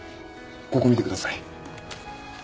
ここ見てください。